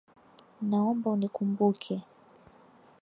Naomba unikumbuke.